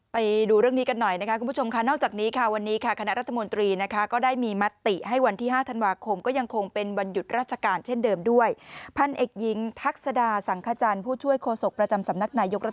ไปดูเรื่องนี้กันหน่อยนะคะคุณผู้ชมค่ะ